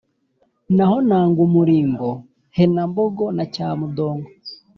naho nangumurimbo, henambogo na cyamudongo